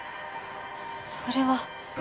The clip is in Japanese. それは。